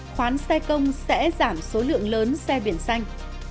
khoán xe công sẽ giảm số lượng lớn xe biển xanh